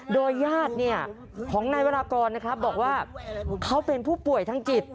โดยญาติของนายวรากรนะครับบอกว่าเขาเป็นผู้ป่วยทางจิต